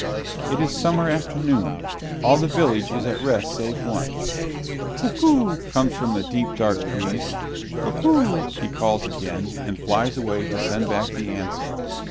It is summer afternoon. All the village is at rest save one. "Cuck oo!" comes from the deep dark trees; "Cuck oo!" he calls again, and flies away to send back the answer.